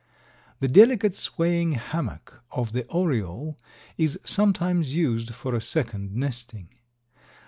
The delicate swaying hammock of the oriole is sometimes used for a second nesting.